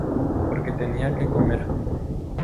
Porque tenía que comer.